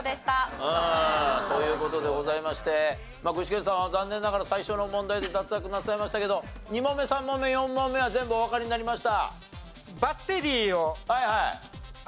という事でございまして具志堅さんは残念ながら最初の問題で脱落なさいましたけど２問目３問目４問目は全部おわかりになりました？